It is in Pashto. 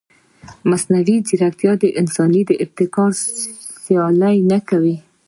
ایا مصنوعي ځیرکتیا د انساني ابتکار سیالي نه کوي؟